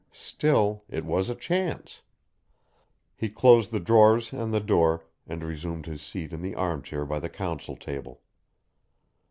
Still it was a chance. He closed the drawers and the door, and resumed his seat in the arm chair by the council table.